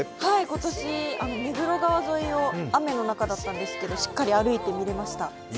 今年、目黒川沿いを雨の中だったんですけど、しっかり歩いてぬれました。